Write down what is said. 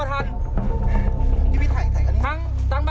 สวัสดีครับ